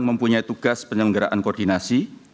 mempunyai tugas penyelenggaraan koordinasi